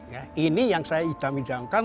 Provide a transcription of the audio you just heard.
ya ini yang saya idam idamkan